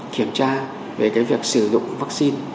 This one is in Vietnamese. kiểm tra về cái việc sử dụng vắc xin